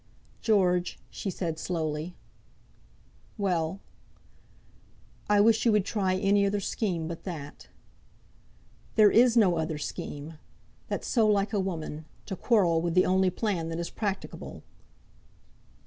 "George," she said, slowly. "Well." "I wish you would try any other scheme but that." "There is no other scheme! That's so like a woman; to quarrel with the only plan that is practicable."